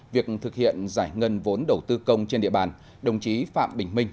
việc thực hiện giải ngân vốn đầu tư công trên địa bàn đồng chí phạm bình minh